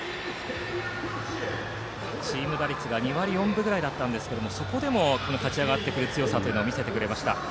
チーム打率が２割４分ぐらいでしたがそこでも勝ち上がってくる強さを見せてくれました。